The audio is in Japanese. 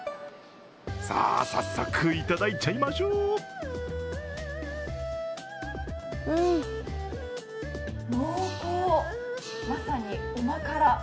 さあ、早速いただいちゃいましょう濃厚、まさに旨辛。